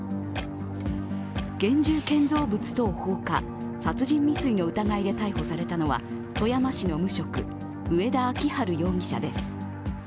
現住建造物等放火、殺人未遂の疑いで逮捕されたのは富山市の無職、上田明治容疑者です。